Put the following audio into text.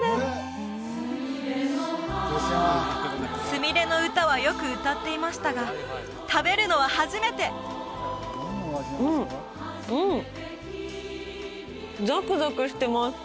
すみれの歌はよく歌っていましたが食べるのは初めてうんうんザクザクしてます